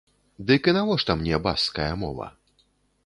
Дык і навошта мне баскская мова?